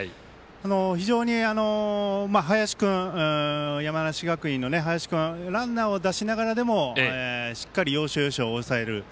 非常に山梨学院の林君ランナーを出しながらでもしっかり要所要所を抑える。